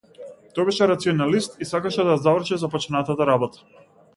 Тој беше рационалист и сакаше да ја заврши започнатата работа.